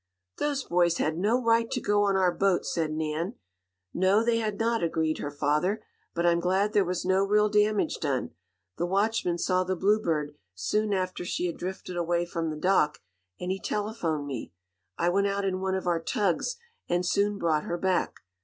"Those boys had no right to go on our boat!" said Nan. "No, they had not," agreed her father, "But I'm glad there was no real damage done. The watchman saw the Bluebird soon after she had drifted away from the dock, and he telephoned me. I went out in one of our tugs and soon brought her back.